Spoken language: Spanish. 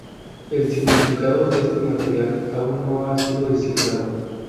El significado de este material aún no ha sido descifrado.